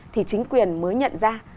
thì chính quyền mới nhận ra